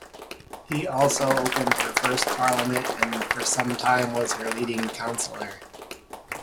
He also opened her first parliament and for some time was her leading councillor.